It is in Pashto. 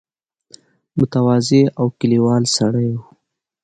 متواضع او کلیوال سړی وو.